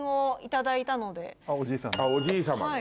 おじい様の？